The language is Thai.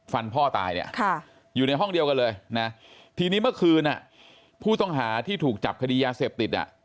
ฟันพ่อตายเนี่ยอยู่ในห้องเดียวกันเลยนะทีนี้เมื่อคืนผู้ต้องหาที่ถูกจับคดียาเสพติดอ่ะ